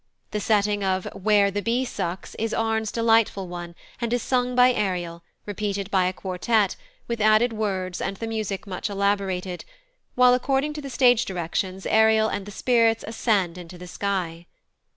The setting of "Where the bee sucks" is Arne's delightful one, and is sung by Ariel, repeated by a quartet, with added words and the music much elaborated, while, according to the stage directions, Ariel and the spirits ascend into the sky.